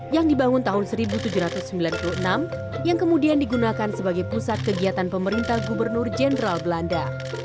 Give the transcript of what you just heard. yang dibangun tahun seribu tujuh ratus sembilan puluh enam yang kemudian digunakan sebagai pusat kegiatan pemerintah gubernur jenderal belanda